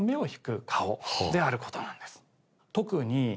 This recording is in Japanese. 特に。